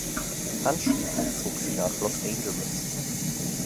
Anschließend zog sie nach Los Angeles.